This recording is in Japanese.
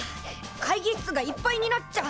会議室がいっぱいになっちゃう！